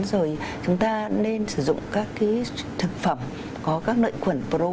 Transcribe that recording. rồi chúng ta nên sử dụng các thực phẩm có các nội quẩn probiotic